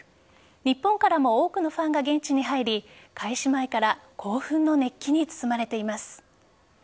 日本からも多くのファンが現地に入り開始前から興奮の熱気に包まれています。